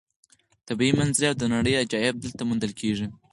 طبیعي منظرې او د نړۍ عجایب دلته موندل کېږي.